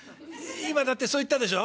「今だってそう言ったでしょ？